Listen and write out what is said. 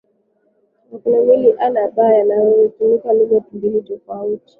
makundimawili A na B yanayotumia lugha mbili tofauti